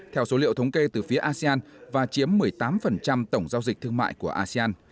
theo số liệu thống kê từ phía asean và chiếm một mươi tám tổng giao dịch thương mại của asean